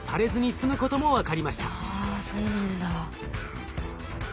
あそうなんだ。